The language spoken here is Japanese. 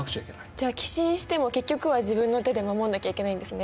じゃあ寄進しても結局は自分の手で守んなきゃいけないんですね。